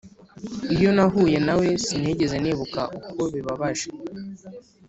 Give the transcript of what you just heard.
iyo nahuye nawe, sinigeze nibuka uko bibabaje.